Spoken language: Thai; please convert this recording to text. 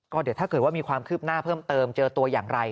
เดี๋ยวถ้าเกิดว่ามีความคืบหน้าเพิ่มเติมเจอตัวอย่างไร